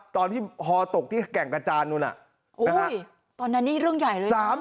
ตอนที่ฮอตกที่แก่งกระจานนู้นตอนนั้นนี่เรื่องใหญ่เลย